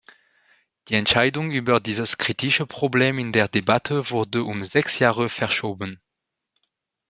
Die Entscheidung über dieses kritische Problem in der Debatte wurde um sechs Jahre verschoben.